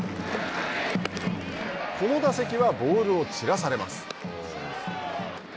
この打席はボールを散らされます。